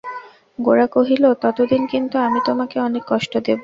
গোরা কহিল, ততদিন কিন্তু আমি তোমাকে অনেক কষ্ট দেব।